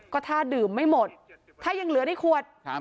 ก็ถ้าดื่มไม่หมดถ้ายังเหลือในขวด